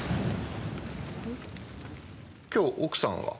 今日奥さんは？